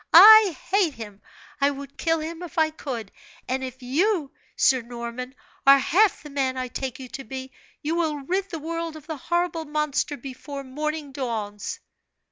I hate him! I would kill him if I could: and if you, Sir Norman, are half the man I take you to be, you will rid the world of the horrible monster before morning dawns!"